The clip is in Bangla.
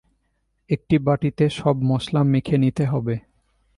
একটি বাটিতে সব মসলা মেখে নিতে হবে।